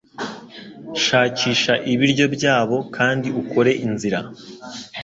shakisha ibiryo byabo kandi ukore inzira